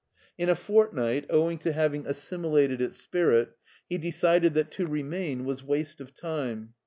In a fortnight, owing to having assimilated its spirit, he decided that to re main was waste of time.